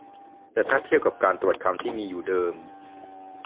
แต่ถ้าเทียบกันการตรวจคำที่มีอยู่เดิม